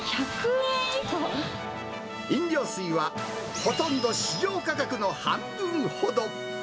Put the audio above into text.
飲料水は、ほとんど市場価格の半分ほど。